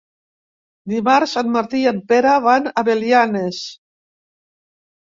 Dimarts en Martí i en Pere van a Belianes.